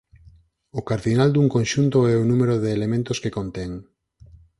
O cardinal dun conxunto é o número de elementos que contén.